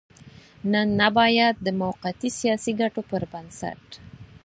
نن نه بايد د موقتي سياسي ګټو پر بنسټ.